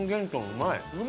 うまい！